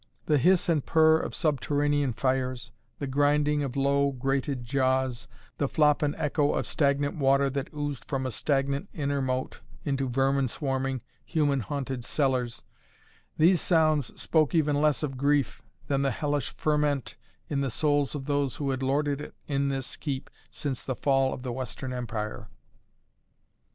The hiss and purr of subterranean fires, the grinding of low, grated jaws, the flop and echo of stagnant water that oozed from a stagnant inner moat into vermin swarming, human haunted cellars: these sounds spoke even less of grief than the hellish ferment in the souls of those who had lorded it in this keep since the fall of the Western Empire.